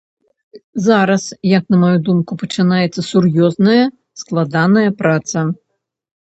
Зараз, як на маю думку, пачынаецца сур'ёзная, складаная праца.